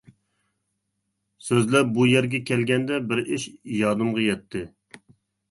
سۆزلەپ بۇ يەرگە كەلگەندە بىر ئىش يادىمغا يەتتى.